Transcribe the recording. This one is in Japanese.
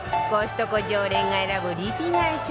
コストコ常連が選ぶリピ買い